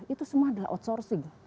itu semua adalah outsourcing